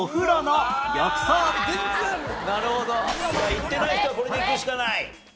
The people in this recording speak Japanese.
いってない人はこれでいくしかない。